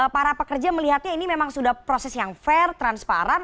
para pekerja melihatnya ini memang sudah proses yang fair transparan